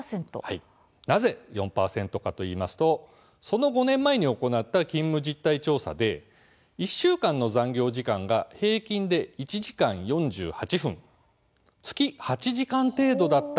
なぜ４％かといいますとその５年前に行った勤務実態調査で１週間の残業時間が平均で１時間４８分だった。